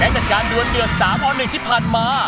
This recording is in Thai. และจากการด้วยเดือด๓ออน๑ที่ผ่านมา